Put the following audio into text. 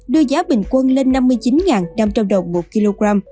đưa giá bình quân lên năm mươi chín năm trăm linh đồng một kg